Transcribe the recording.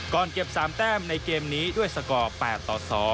เก็บ๓แต้มในเกมนี้ด้วยสกอร์๘ต่อ๒